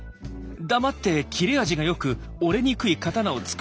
黙って切れ味がよく折れにくい刀を作りやがれ！